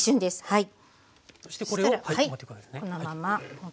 はい。